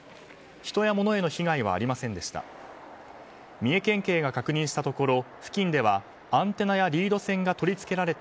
人や物への被害はありませんでした。